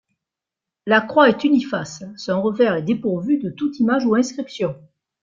La croix est uniface, son revers est dépourvu de toute image ou inscription.